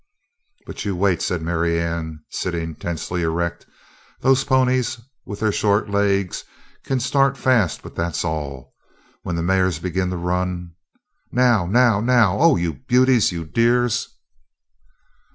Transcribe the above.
"But you wait!" said Marianne, sitting tensely erect. "Those ponies with their short legs can start fast, but that's all. When the mares begin to run Now, now, now! Oh, you beauties! You dears!"